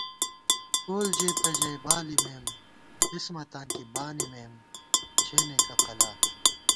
کول ژېتہ ژَئی بالِمېم قِسمَتاں کی بانِمېم چھېنېکہ قلا